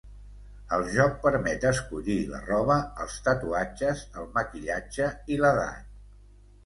El joc permet escollir la roba, els tatuatges, el maquillatge i l'edat.